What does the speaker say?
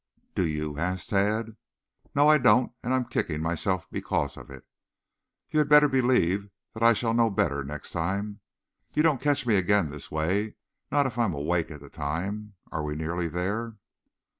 "Do you?" asked Tad. "No, I don't, and I'm kicking myself because of it. You had better believe I shall know better next time. You don't catch me again this way, not if I am awake at the time. Are we nearly there?"